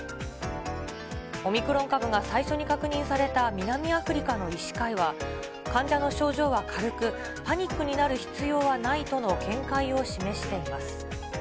オミクロン株が最初に確認された南アフリカの医師会は、患者の症状は軽く、パニックになる必要はないとの見解を示しています。